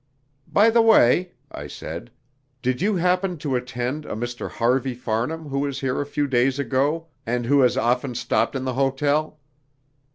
"By the way," I said, "did you happen to attend a Mr. Harvey Farnham, who was here a few days ago, and who has often stopped in the hotel?"